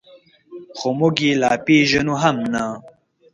خو موږ یې لا پېژنو هم نه.